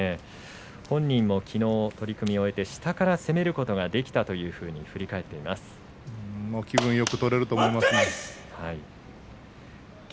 本人もきのう取組を終えて、下から攻めることができたと言っています。